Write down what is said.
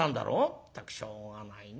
まったくしょうがないね。